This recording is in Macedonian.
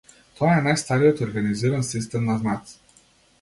Тоа е најстариот организиран систем на знаци.